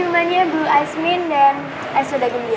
ini minumannya bu aismin dan es soda gembira